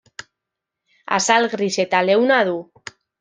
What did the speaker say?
Azal gris eta leuna du.